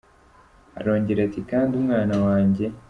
Arongera ati “Kandi umwana wanjye